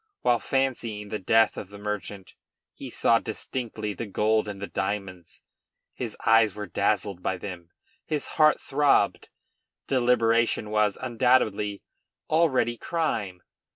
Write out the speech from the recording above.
While fancying the death of the merchant he saw distinctly the gold and the diamonds. His eyes were dazzled by them. His heart throbbed. Deliberation was, undoubtedly, already crime.